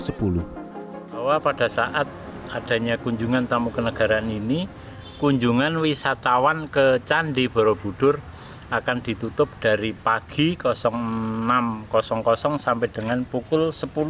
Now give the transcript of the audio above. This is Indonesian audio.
bahwa pada saat adanya kunjungan tamu kenegaraan ini kunjungan wisatawan ke candi borobudur akan ditutup dari pagi enam sampai dengan pukul sepuluh